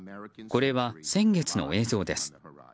これは先月の映像です。